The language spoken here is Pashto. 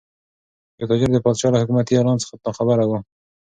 یو تاجر د پادشاه له حکومتي اعلان څخه ناخبره و.